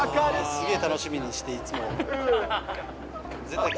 すげえ、楽しみにして、いつも。